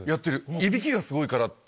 いびきがすごいから。